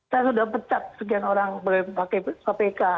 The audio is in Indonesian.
saya sudah pecat sekian orang pakai kpk